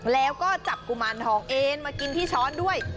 แล้วก็จับกุมารทองเอ็นมากินที่ช้อนด้วย